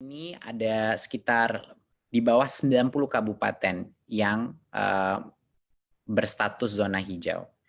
ini ada sekitar di bawah sembilan puluh kabupaten yang berstatus zona hijau